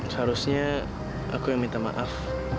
seharusnya aku yang minta maaf